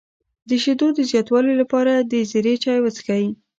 د شیدو د زیاتوالي لپاره د زیرې چای وڅښئ